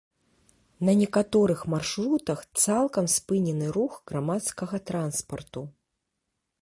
На некаторых маршрутах цалкам спынены рух грамадскага транспарту.